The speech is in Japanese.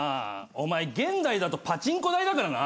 お前現代だとパチンコ台だからな。